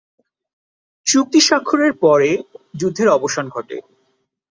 চুক্তি স্বাক্ষরের পরে যুদ্ধের অবসান ঘটে।